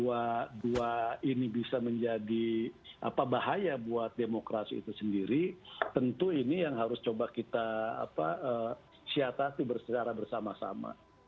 kalau dua ini bisa menjadi bahaya buat demokrasi itu sendiri tentu ini yang harus coba kita siatati secara bersama sama